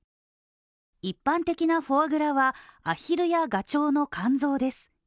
一般的なフォアグラはあひるや、がちょうの肝臓です。